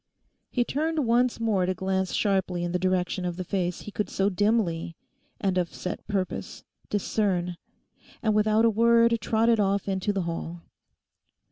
He turned once more to glance sharply in the direction of the face he could so dimly—and of set purpose—discern; and without a word trotted off into the hall.